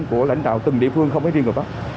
của lãnh đạo từng địa phương không phải riêng covap